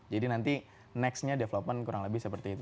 jadi nanti nextnya development kurang lebih seperti itu